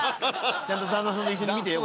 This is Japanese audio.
ちゃんと旦那さんと一緒に見てよ